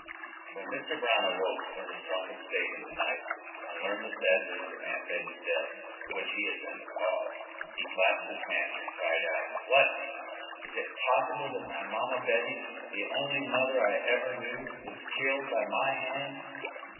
When Mr. Brown awoke from his drunken state in the night, and learned the sad news of Aunt Betty's death, of which he had been the cause, he clasped his hands and cried out, "What! is it possible that my mamma Betty, the only mother I ever knew, was killed by my hands?"